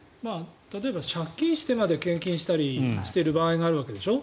例えば借金してまで献金したりしている場合があるわけでしょ。